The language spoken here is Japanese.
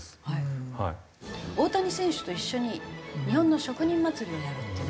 大谷選手と一緒に日本の職人祭りをやるっていうのはどうですか？